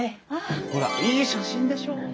ほらいい写真でしょう？